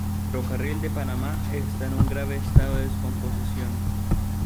El ferrocarril de Panamá está en un grave estado de descomposición.